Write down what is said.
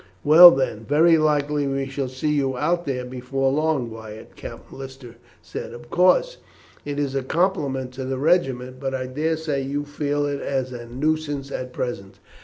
"Well, then, very likely we shall see you out there before long, Wyatt," Captain Lister said. "Of course, it is a compliment to the regiment, but I daresay you feel it as a nuisance at present."